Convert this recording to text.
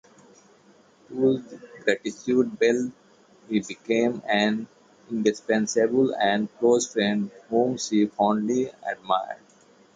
To Gertrude Bell he became an indispensable and close friend; whom she fondly admired.